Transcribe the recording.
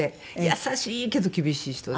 優しいけど厳しい人で。